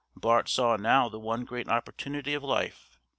Bart saw now the one great opportunity of life!